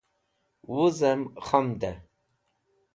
Muzẽm khamdẽ